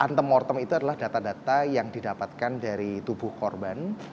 antemortem itu adalah data data yang didapatkan dari tubuh korban